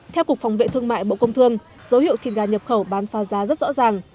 theo cục phòng vệ thương mại bộ công thương dấu hiệu thịt gà nhập khẩu bán phá giá rất rõ ràng